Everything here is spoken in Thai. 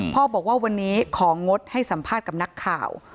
บอกว่าวันนี้ของงดให้สัมภาษณ์กับนักข่าว